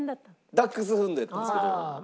ダックスフンドやったんですけど。